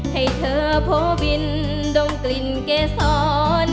ให้เธอโพบินดมกลิ่นเกษร